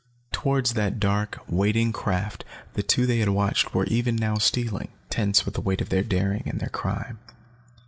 Towards that dark, waiting craft the two they had watched were even now stealing, tense with the weight of their daring and their crime.